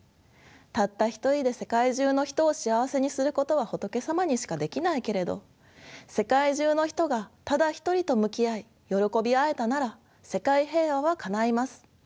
たった一人で世界中の人を幸せにすることは仏様にしかできないけれど世界中の人がただ一人と向き合い喜び合えたなら世界平和はかないます。